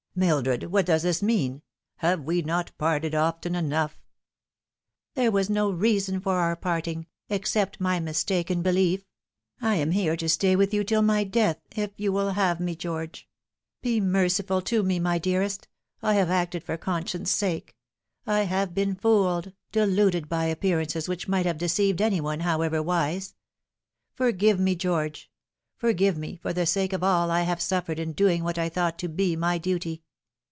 '' Mildred, what does this mean ? Have we not parted often enough ?"" There was no reason for our parting except my mistaken belief. I am here to stay with you till my death, if you will have me, George. Be merciful to me, my dearest ! I have acted for conscience' sake. I have been fooled, deluded by appearances which might have deceived any one, however wise. Forgive me, George ; forgive me for the sake of all I have suffered in doing what I thought to be my duty